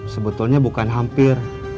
sebetulnya bukan hampir